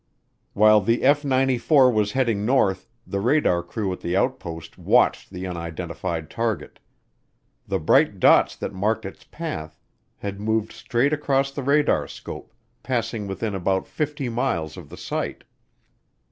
While the F 94 was heading north, the radar crew at the outpost watched the unidentified target. The bright dots that marked its path had moved straight across the radarscope, passing within about 50 miles of the site.